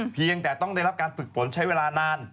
เพียงแต่ต้องได้รับการฝึกฝนใช้เวลานาน